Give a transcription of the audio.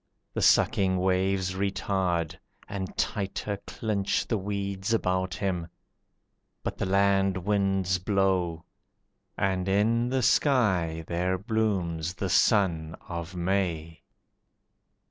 The sucking waves retard, and tighter clinch The weeds about him, but the land winds blow, And in the sky there blooms the sun of May.